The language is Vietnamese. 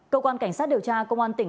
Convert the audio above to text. cơ quan cảnh sát điều tra công an tỉnh cà mau